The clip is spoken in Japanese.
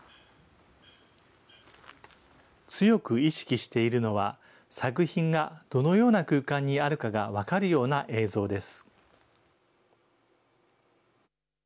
強く意識しているのは、作品がどのような空間にあるかが分かるような映像です。